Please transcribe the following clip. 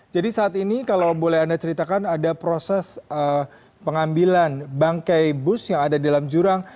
jadi saat ini kalau boleh anda ceritakan ada proses pengambilan bangkai bus yang ada di dalam jurang